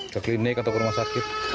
ke klinik atau ke rumah sakit